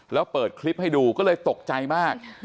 แล้วเปิดคลิปให้ดูก็เลยตกใจมาก